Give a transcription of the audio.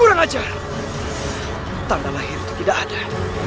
kurang ajar tanda lahir itu tidak ada